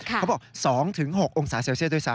เขาบอก๒๖องศาเซลเซียสด้วยซ้